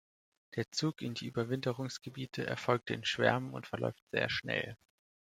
Der Zug in die Überwinterungsgebiete erfolgt in Schwärmen und verläuft sehr schnell.